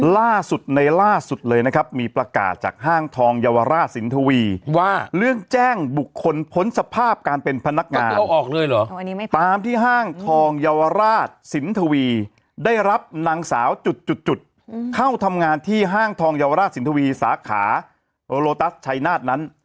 ล่าสุดในล่าสุดเลยนะครับมีประกาศจากห้างทองเยาวราชสินทวีว่าเรื่องแจ้งบุคคลพ้นสภาพการเป็นพนักงานเอาออกเลยเหรอตามที่ห้างทองเยาวราชสินทวีได้รับนางสาวจุดเข้าทำงานที่ห้างทองเยาวราชสินทวีสาขาโลตัสชัยนาฏนั้น